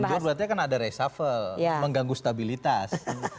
kalau mundur berarti akan ada resafel mengganggu stabilitas